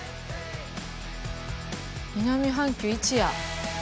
南半球一や。